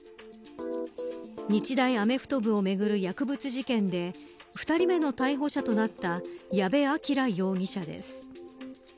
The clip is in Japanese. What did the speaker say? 日大アメフト部をめぐる薬物事件で２人目の逮捕者となった矢部鑑羅容疑者です。